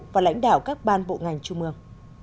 và lãnh đạo các ban bộ ngành trung mương